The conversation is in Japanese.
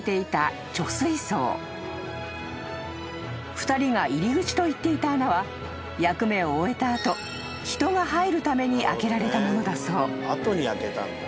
［２人が入り口と言っていた穴は役目を終えた後人が入るために開けられたものだそう］